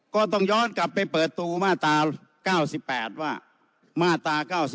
ก็ต้องย้อนกลับไปเปิดตัวมาตรา๙๘ว่ามาตรา๙๔